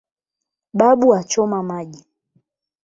"Babu achoma maji